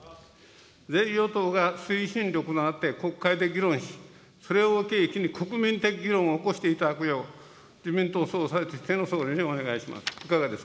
ぜひ与党が推進力となって国会で議論し、それを契機に国民的議論を起こしていただくよう、自民党総裁としての総理にお願いします。